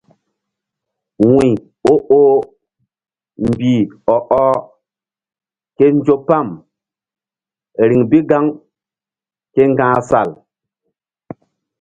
Wuy o oh mbih ɔ ɔh ke nzo pam riŋ bi gaŋ ke ŋga̧h sal.